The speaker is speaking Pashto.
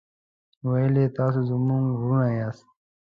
ویل یې تاسو زموږ ورونه یاست.